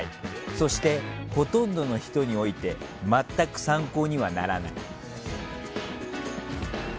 そして、ほとんどの人において全く参考にはならない。